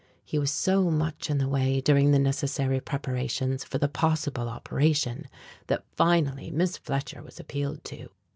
He was so much in the way during the necessary preparations for the possible operation that finally Miss Fletcher was appealed to.